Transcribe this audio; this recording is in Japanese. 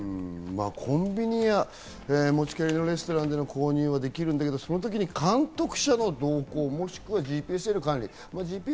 コンビニや持ち帰りのレストランでの購入はできるけど、その時に監督者の同行、もしくはＧＰＳによる管理。